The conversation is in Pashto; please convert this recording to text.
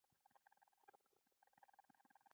ایا زه باید برګر وخورم؟